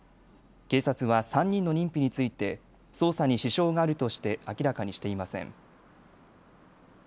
警察は３人の認否について捜査に支障があるとして明らかにしていません。